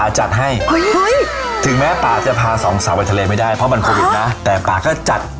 อาหารทะเลรสเด็ดเจ้าดังมาให้